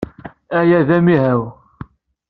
Aya d amihaw.